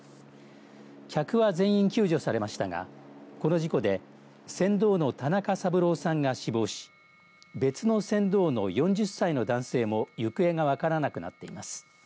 客は全員救助されましたがこの事故で船頭の田中三郎さんが死亡し別の船頭の４０歳の男性も行方が分からなくなっています。